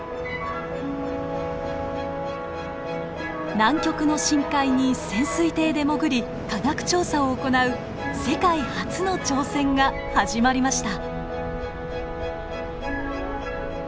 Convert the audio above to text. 南極の深海に潜水艇で潜り科学調査を行う世界初の挑戦が始まりました。